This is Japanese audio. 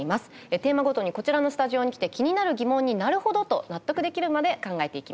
テーマごとにこちらのスタジオに来て気になる疑問に「なるほど！」と納得できるまで考えていきます。